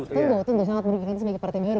tidak itu sudah sangat merugikan sebagai partai baru